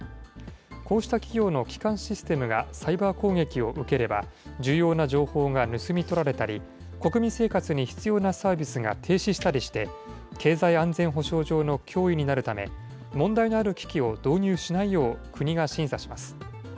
こうした企業の基幹システムがサイバー攻撃を受ければ、重要な情報が盗み取られたり、国民生活に必要なサービスが停止したりして、経済安全保障上の脅威になるため、問題のある機器を導入しないよう、国が審査します。